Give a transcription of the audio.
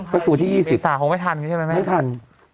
ก็คือที่๒๐บาทไม่ทันใช่ไหมไม่ทัน